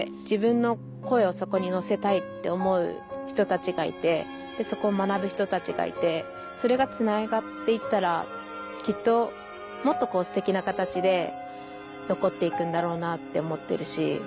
自分の声をそこに乗せたいって思う人たちがいてでそこを学ぶ人たちがいてそれがつながって行ったらきっともっとステキな形で残って行くんだろうなって思ってるし。